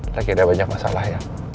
lagi ada banyak masalah ya